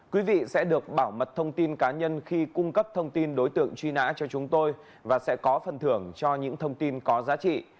quý vị sẽ được bảo mật thông tin cá nhân khi cung cấp thông tin đối tượng truy nã cho chúng tôi và sẽ có phần thưởng cho những thông tin có giá trị